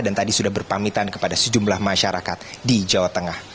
dan tadi sudah berpamitan kepada sejumlah masyarakat di jawa tengah